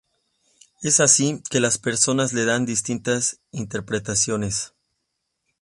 Es así, que las personas le daban distintas interpretaciones.